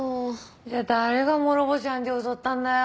じゃあ誰が諸星判事を襲ったんだよ。